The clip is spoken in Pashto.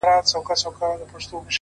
• هسي نه چي په دنیا پسي زهیر یم »,